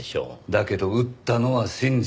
だけど撃ったのは信者。